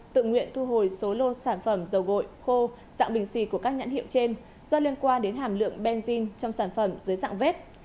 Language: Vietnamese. tự nguyện thu hồi số lô sản phẩm dầu gội khô dạng bình xì của các nhãn hiệu trên do liên quan đến hàm lượng benzyn trong sản phẩm dưới dạng vết